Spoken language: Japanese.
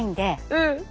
うん。